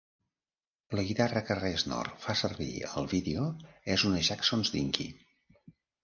La guitarra que Reznor fa servir al vídeo és una Jackson Dinky.